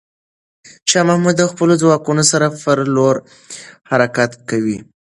شاه محمود د خپلو ځواکونو سره پر لور حرکت کوي.